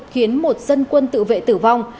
khiến một dân quân tự vệ tử vong